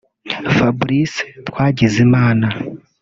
Fabrice Twagizimana